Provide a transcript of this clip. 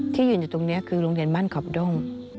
ที่ยืนอยู่ตรงนี้คือโรงเรียนบ้านขอบด้ง